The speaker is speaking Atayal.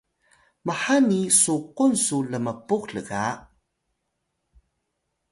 mhani suqun su lmpux lga